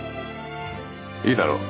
いいだろう。